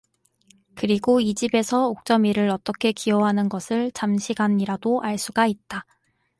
그리고 이 집에서 옥점이를 어떻게 귀여워하는 것을 잠시간이라도 알 수가 있다.